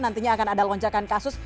nantinya akan ada lonjakan kasus